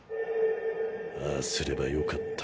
「ああすればよかった」。